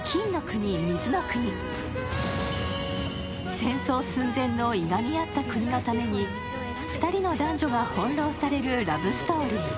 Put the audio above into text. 戦争寸前のいがみ合った国のために２人の男女が翻弄されるラブストーリー。